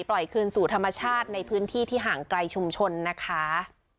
ปล่อยคืนสู่ธรรมชาติในพื้นที่ที่ห่างไกลชุมชนนะคะ